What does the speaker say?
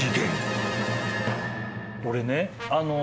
俺ね